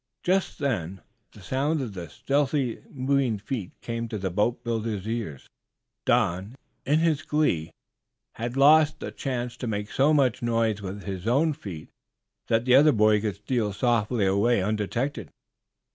Just then the sound of stealthily moving feet came to the boatbuilder's ears. Don, in his glee, had lost the chance to make so much noise with his own feet that the other boy could steal softly away undetected.